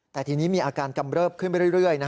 แต่ทีนี้มีอาการกำเริบขึ้นไปเรื่อย